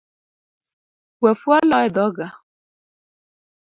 We fuolo edhoga